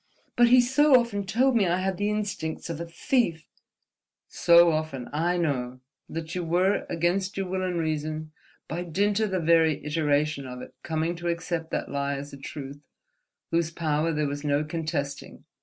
"But he so often told me I had the instincts of a thief—!" "So often—I know—that you were, against your will and reason, by dint of the very iteration of it, coming to accept that lie as a truth whose power there was no contesting.